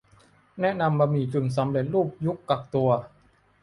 แนะนำบะหมี่กึ่งสำเร็จรูปยุคกักตัว